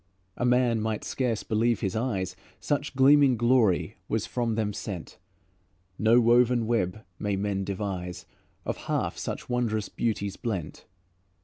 A man might scarce believe his eyes, Such gleaming glory was from them sent; No woven web may men devise Of half such wondrous beauties blent.